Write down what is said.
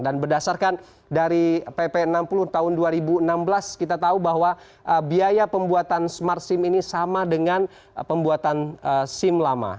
dan berdasarkan dari pp enam puluh tahun dua ribu enam belas kita tahu bahwa biaya pembuatan smart sim ini sama dengan pembuatan sim lama